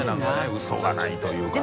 ウソがないというかね。